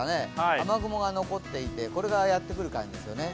雨雲が残っていてこれがやってくる感じですよね。